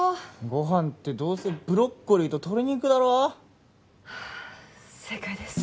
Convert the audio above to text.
ご飯ってどうせブロッコリーと鶏肉だろ正解です